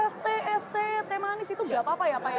st st t manis itu nggak apa apa ya pak ya